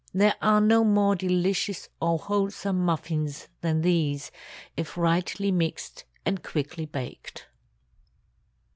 There are no more delicious or wholesome muffins than these, if rightly mixed and quickly baked.